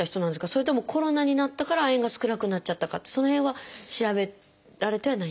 それともコロナになったから亜鉛が少なくなっちゃったかってその辺は調べられてはないんですか？